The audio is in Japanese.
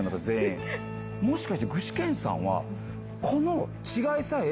もしかして具志堅さんはこの違いさえ。